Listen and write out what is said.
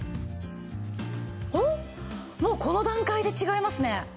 もうこの段階で違いますね。